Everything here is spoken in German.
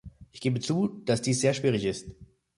Ich gebe zu, dass dies sehr schwierig ist.